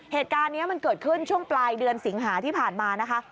เหตุการณ์นี้มันเกิดขึ้นช่วงปลายเดือนสิงหาที่ผ่านมานะคะ